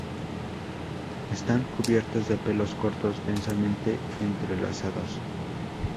Están cubiertas de pelos cortos, densamente entrelazados.